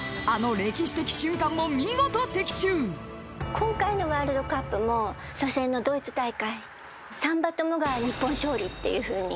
今回のワールドカップも初戦のドイツ大会３羽ともが日本勝利ってたたき出してましたので。